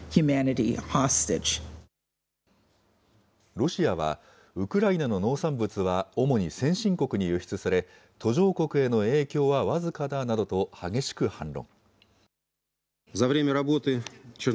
ロシアは、ウクライナの農産物は主に先進国に輸出され、途上国への影響は僅かだなどと激しく反論。